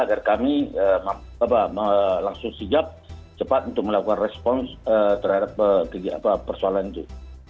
agar kami langsung sigap cepat untuk melakukan respons terhadap persoalan itu